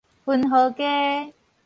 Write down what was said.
雲和街